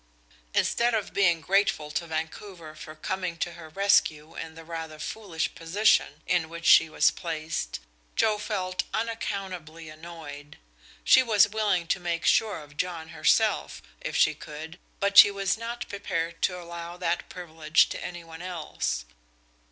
Instead of being grateful to Vancouver for coming to her rescue in the rather foolish position in which she was placed, Joe felt unaccountably annoyed. She was willing to make sure of John herself, if she could, but she was not prepared to allow that privilege to any one else.